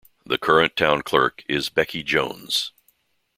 The current Town Clerk is Becky Jones.